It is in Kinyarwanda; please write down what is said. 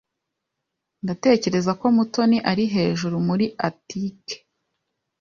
Ndatekereza ko Mutoni ari hejuru muri atike.